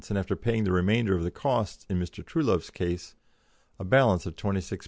and after paying the remainder of the costs in Mr. Truelove's case, a balance of £26 15s.